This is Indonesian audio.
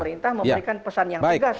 memberikan pesan yang jelas